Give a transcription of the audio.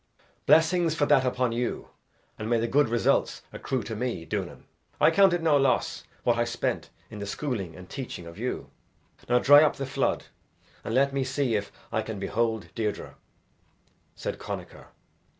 "Blessings for that upon you and may the good results accrue to me, Duanan. I count it no loss what I spent in the schooling and teaching of you. Now dry up the flood and let me see if I can behold Deirdre," said Connachar.